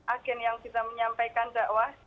agen yang bisa menyampaikan dakwah